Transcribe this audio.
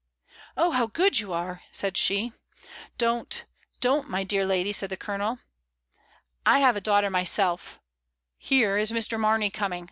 "Oh, how good you are!" said she. "Don't! don't, my dear lady," said the Colonel. 56 MRS. DYMOND. "I have a daughter myself. ... Here is Mr. Mamey coming.